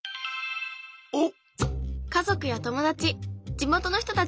おっ！